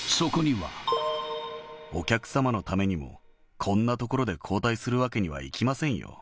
お客様のためにも、こんなところで後退するわけにはいきませんよ。